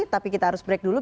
tapi kita harus break dulu